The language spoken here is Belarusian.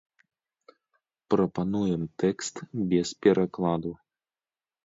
Прапануем тэкст без перакладу.